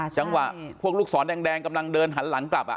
จังหวะพวกลูกศรแดงกำลังเดินหันหลังกลับ